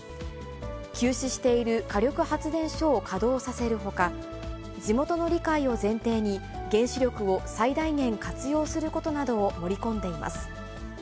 休止している火力発電所を稼働させるほか、地元の理解を前提に、原子力を最大限活用することなどを盛り込んでいます。